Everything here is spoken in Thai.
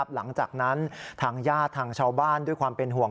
หลังจากนั้นทางญาติทางชาวบ้านด้วยความเป็นห่วง